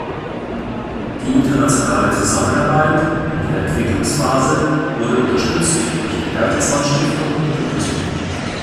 Die internationale Zusammenarbeit in der Entwicklungsphase wurde unterstützt durch die Bertelsmann Stiftung in Gütersloh.